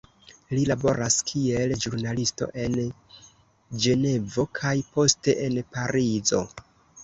Li laboras kiel ĵurnalisto en Ĝenevo kaj poste en Parizo.